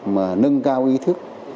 mà nâng cao ý thức